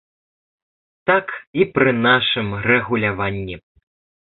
Так і пры нашым рэгуляванні.